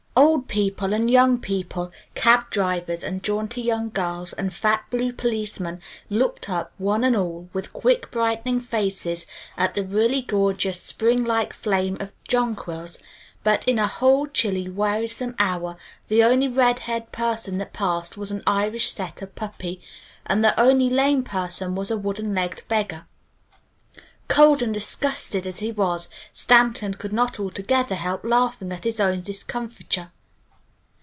Old people and young people, cab drivers and jaunty young girls, and fat blue policeman, looked up, one and all with quick brightening faces at the really gorgeous Spring like flame of jonquils, but in a whole chilly, wearisome hour the only red haired person that passed was an Irish setter puppy, and the only lame person was a wooden legged beggar. Cold and disgusted as he was, Stanton could not altogether help laughing at his own discomfiture.